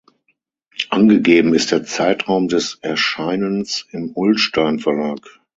Angegeben ist der Zeitraum des Erscheinens im Ullstein Verlag.